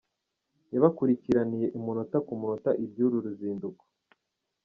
yabakurikiraniye umunota ku munota iby’uru ruzinduko